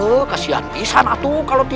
aku tidak bisa menggunakan jurus nyi